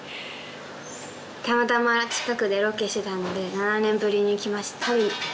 たまたま近くでロケしてたんで７年ぶりに来ました